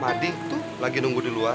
mady tuh lagi nunggu di luar